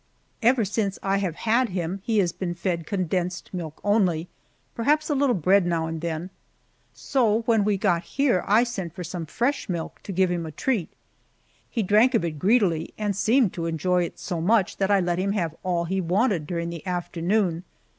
Ever since I have had him he has been fed condensed milk only perhaps a little bread now and then; so when we got here I sent for some fresh milk, to give him a treat. He drank of it greedily and seemed to enjoy it so much, that I let him have all he wanted during the afternoon.